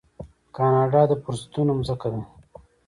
کاناډا د فرصتونو ځمکه ده.